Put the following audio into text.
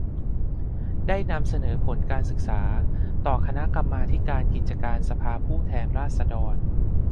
ได้นำเสนอผลการศึกษาต่อคณะกรรมาธิการกิจการสภาผู้แทนราษฎร